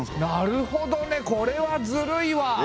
なるほどねこれはずるいわ。